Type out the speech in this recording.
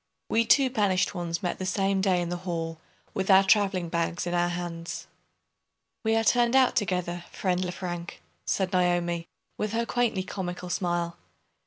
We two banished ones met the same day in the hall, with our traveling bags in our hands. "We are turned out together, friend Lefrank," said Naomi, with her quaintly comical smile.